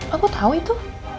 aku tau itu